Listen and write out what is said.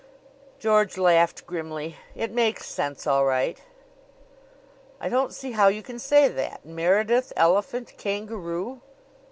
George laughed grimly. "It makes sense all right." "I don't see how you can say that. 'Meredith elephant kangaroo